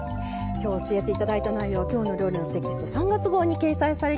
今日教えて頂いた内容は「きょうの料理」のテキスト３月号に掲載されています。